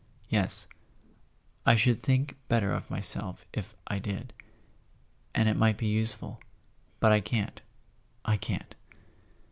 "Yes—I should think better of myself if I did. And it might be useful. But I can't—I can't!"